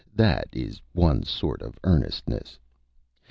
That is one sort of "earnestness."